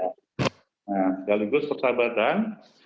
nah terlebih dahulu persahabatan